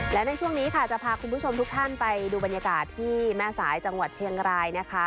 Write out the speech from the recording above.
และในช่วงนี้ค่ะจะพาคุณผู้ชมทุกท่านไปดูบรรยากาศที่แม่สายจังหวัดเชียงรายนะคะ